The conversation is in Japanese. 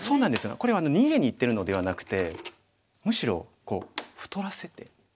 これは逃げにいってるのではなくてむしろ太らせて何ですかね捨て石？